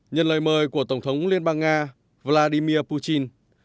nhận lời mời của tổng thống liên bang nga vladimir putin